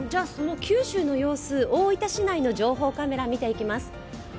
その九州の様子、大分市内の情報カメラ見ていきます。